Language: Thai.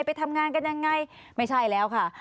ไปทำงานกันยังไงไม่ใช่แล้วค่ะ